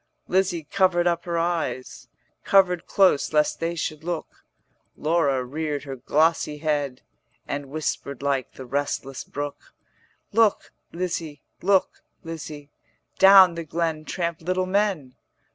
Lizzie covered up her eyes, 50 Covered close lest they should look; Laura reared her glossy head, And whispered like the restless brook: 'Look, Lizzie, look, Lizzie, Down the glen tramp little men.